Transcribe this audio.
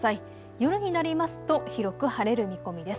夜になりますと広く晴れる見込みです。